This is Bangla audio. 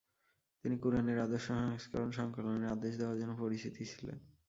তিনি কুরআনের আদর্শ সংস্করণ সংকলনের আদেশ দেওয়ার জন্য পরিচিত ছিলেন।